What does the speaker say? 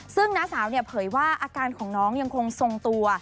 ซึ่งน้าสาวเนี่ยเผยว่าอาการของน้องยังคงทรงตัว